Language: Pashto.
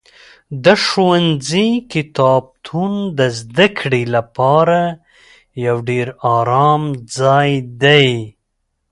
د ښوونځي کتابتون د زده کړې لپاره یو ډېر ارام ځای دی.